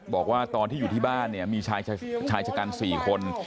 บอกว่าตอนที่อยู่ที่บ้านเนี่ยมีชายชะกัน๔คน